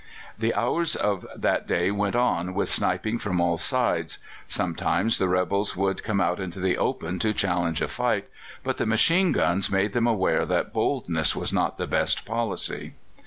The hours of that day went on, with sniping from all sides. Sometimes the rebels would come out into the open to challenge a fight, but the machine guns made them aware that boldness was not the best policy.